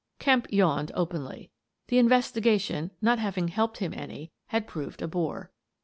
Kemp yawned openly. The investigation, not having helped him any, had proved a bore.